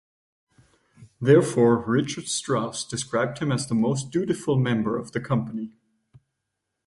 Therefore Richard Strauss described him as the most dutiful member of the company.